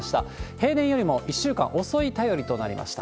平年よりも１週間遅い便りとなりました。